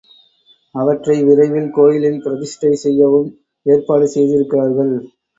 அவற்றை விரைவில் கோயிலில் பிரதிஷ்டை செய்யவும் ஏற்பாடு செய்திருக்கிறார்கள்.